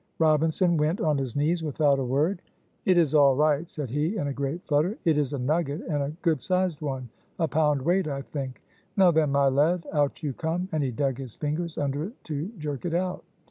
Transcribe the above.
Robinson went on his knees without a word. "It is all right," said he, in a great flutter, "it is a nugget and a good sized one a pound weight, I think. Now then, my lad, out you come;" and he dug his fingers under it to jerk it out.